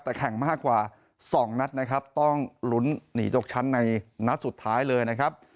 แต่แข่งมากกว่า๒นัดนะครับต้องลุ้นหนีตกชั้นในนัดสุดท้ายเลยนะครับ